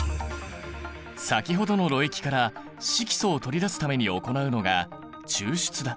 先ほどのろ液から色素を取り出すために行うのが抽出だ。